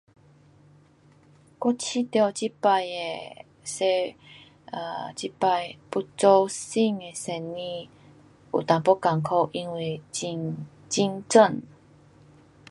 我觉得这次的世，um 这次要做新的生意有一点困苦。因为很竞争。